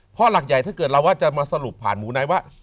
เพราะหลักใหญ่ถ้าเกิดเราว่าจะมาสรุปผ่านมูไนท์ว่า